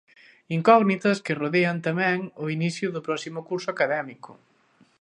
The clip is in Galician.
Incógnitas que rodean tamén o inicio do próximo curso académico.